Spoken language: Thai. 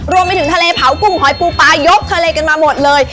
รวมไปถึงทะเลเผากุ้งหอยปูปลายกทะเลกันมาหมดเลย